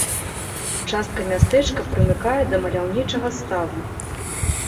Частка мястэчка прымыкае да маляўнічага ставу.